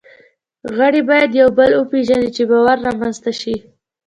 غړي باید یو بل وپېژني، چې باور رامنځ ته شي.